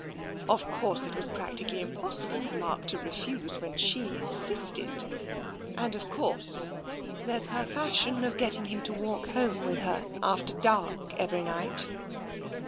Of course, it was practically impossible for Mark to refuse, when she insisted. And, of course, there's her fashion of getting him to walk home with her after dark every night."